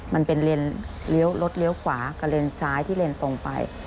มันเป็นเลี้ยวรถเลี้ยวขวากับเลนซ้ายที่เลนตรงไป